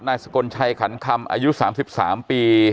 สกลชัยขันคำอายุ๓๓ปี